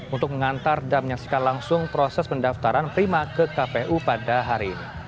untuk mengantar dan menyaksikan langsung proses pendaftaran prima ke kpu pada hari ini